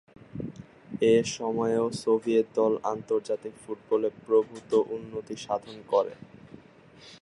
এ সময়েও সোভিয়েত দল আন্তর্জাতিক ফুটবলে প্রভূত উন্নতি সাধন করে।